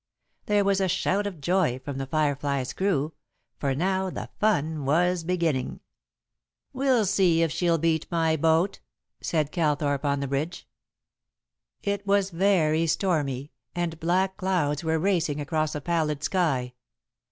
There was a shout of joy from The Firefly's crew, for now the fun was beginning. "We'll see if she'll beat my boat," said Calthorpe on the bridge. It was very stormy, and black clouds were racing across a pallid sky.